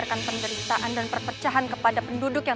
kau harus jadi istriku